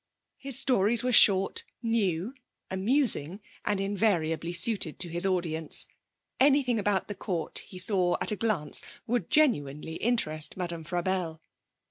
His stories were short, new, amusing, and invariably suited to his audience. Anything about the Court he saw, at a glance, would genuinely interest Madame Frabelle.